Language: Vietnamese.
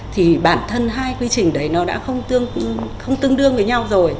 thì bản thân hai quy trình đấy nó đã không tương đương với nhau rồi